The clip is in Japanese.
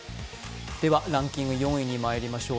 ランキング４位にまいりましょう。